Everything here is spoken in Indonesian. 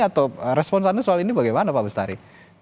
atau respons anda soal ini bagaimana pak bestari